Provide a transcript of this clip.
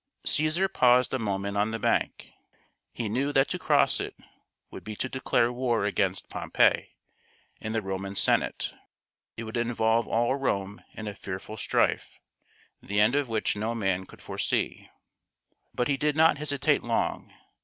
Caesar paused a moment on the bank. He knew that to cross it would be to declare war against Pompey and the Roman Senate ; it would involve all Rome in a fearful strife, the end of which no man could foresee. But he did not hesitate long.